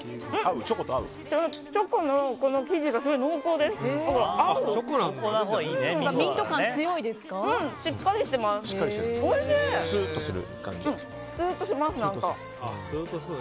チョコの生地がすごい濃厚なので合う！